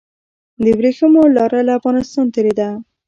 د وریښمو لاره له افغانستان تیریده